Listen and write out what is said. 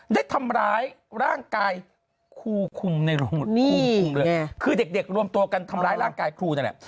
ได้ทำร้ายร่างกายครูคุมในคุมคุมเลยคือเด็กรวมตัวกันทำร้ายร่างกายครูนั่นแหละ